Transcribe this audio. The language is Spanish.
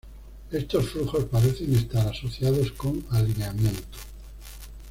Estos flujos parecen estar asociados con alineamiento.